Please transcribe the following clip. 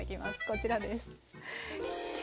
こちらです。